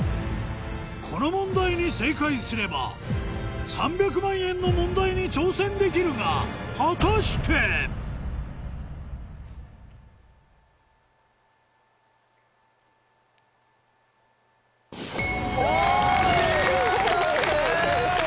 この問題に正解すれば３００万円の問題に挑戦できるが果たして⁉お見事正解！